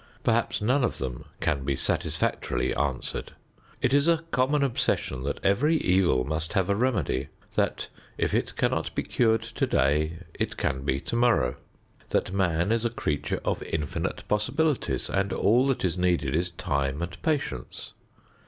Perhaps none of them can be satisfactorily answered. It is a common obsession that every evil must have a remedy; that if it cannot be cured today, it can be tomorrow; that man is a creature of infinite possibilities and all that is needed is time and patience.